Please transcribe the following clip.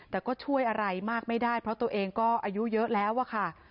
แต่ก็ช่วยอะไรมากไม่ได้เพราะตัวเองก็อายุเยอะแล้วอะค่ะ